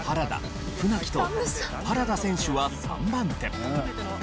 船木と原田選手は３番手。